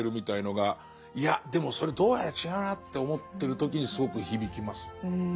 いやでもそれどうやら違うなって思ってる時にすごく響きます。